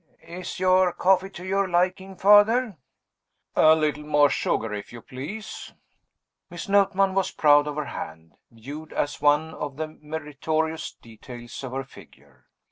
"Is your coffee to your liking, Father?" "A little more sugar, if you please." Miss Notman was proud of her hand, viewed as one of the meritorious details of her figure.